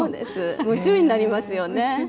夢中になりますよね。